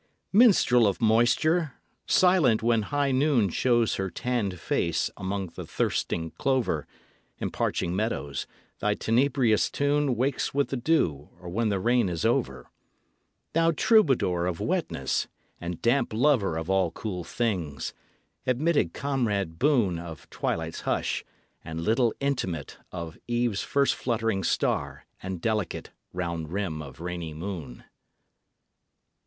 Minstrel of moisture! silent when high noon Shows her tanned face among the thirsting clover And parching meadows, thy tenebrious tune Wakes with the dew or when the rain is over. Thou troubadour of wetness and damp lover Of all cool things! admitted comrade boon Of twilight's hush, and little intimate Of eve's first fluttering star and delicate Round rim of rainy moon!